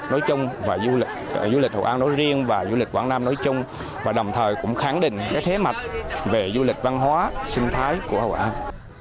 nói chung và du lịch hội an nói riêng và du lịch quảng nam nói chung và đồng thời cũng khẳng định cái thế mạnh về du lịch văn hóa sinh thái của hội an